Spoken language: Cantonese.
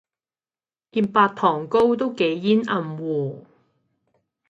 件白糖糕都幾煙韌喎